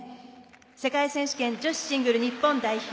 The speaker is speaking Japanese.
世界選手権女子シングル日本代表